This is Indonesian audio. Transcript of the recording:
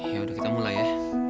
yaudah kita mulai ya